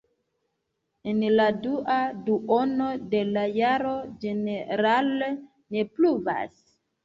En la dua duono de la jaro ĝenerale ne pluvas.